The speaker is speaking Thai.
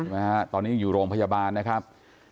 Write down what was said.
ไหมฮะตอนนี้ยังอยู่โรงพยาบาลนะครับ